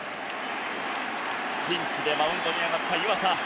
ピンチでマウンドに上がった湯浅。